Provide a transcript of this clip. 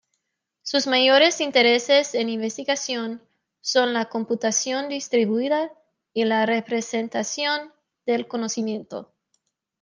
Sus mayores intereses en investigación son la computación distribuida y la representación del conocimiento.